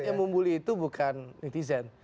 yang membuli itu bukan netizen